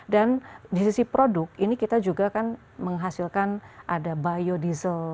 dan di sisi produk ini kita juga kan menghasilkan ada biodiesel